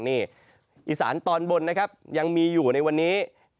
นี่อีสานตอนบนนะครับยังมีอยู่ในวันนี้